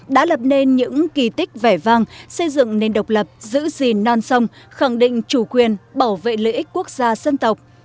đã lập nên những kỳ tích vẻ vang xây dựng nền độc lập giữ gìn non sông khẳng định chủ quyền bảo vệ lợi ích quốc gia dân tộc